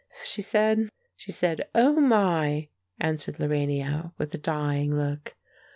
"She said she said, 'Oh my!'" answered Lorania, with a dying look.